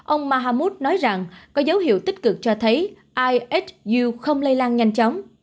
ông mahmoud nói rằng có dấu hiệu tích cực cho thấy ihu không lây lan nhanh chóng